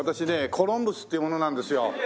コロンブスっていう者なんですよ。